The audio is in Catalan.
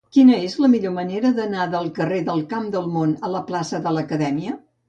Quina és la millor manera d'anar del carrer del Cap del Món a la plaça de l'Acadèmia?